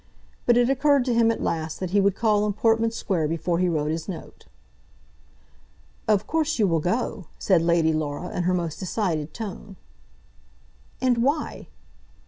But it occurred to him at last that he would call in Portman Square before he wrote his note. "Of course you will go," said Lady Laura, in her most decided tone. "And why?"